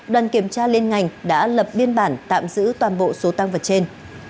đoàn kiểm tra liên ngành đã lập biên bản tạm giữ toàn bộ số tăng vật trên